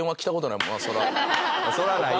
そらないよ。